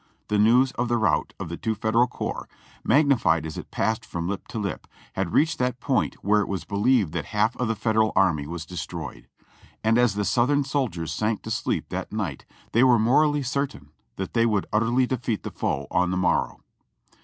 The news of the rout of the two Federal corps, magnified as it passed from lip to lip, had reached that point where it was believed that half of the Federal army was de stroyed; and as the Southern soldiers sank to sleep that night they were morally certain that they would utterly defeat the foe on the morrow.